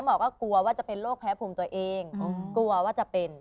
หมอก็กลัวว่าจะเป็นโรคแพ้ภูมิตัวเองกลัวว่าจะเป็น